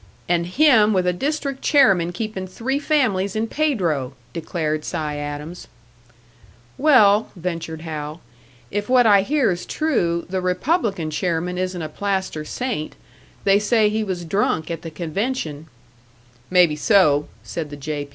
"And him with a district chairman keeping three families in Pedro!" declared Si Adams. "Well," ventured Hal, "if what I hear is true, the Republican chairman isn't a plaster saint. They say he was drunk at the convention " "Maybe so," said the "J.